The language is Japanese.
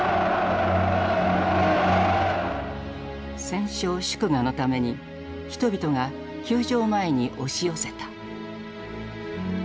戦勝祝賀のために人々が宮城前に押し寄せた。